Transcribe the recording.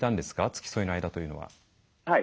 付き添いの間というのは。